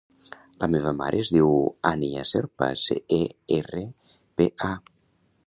La meva mare es diu Ànnia Cerpa: ce, e, erra, pe, a.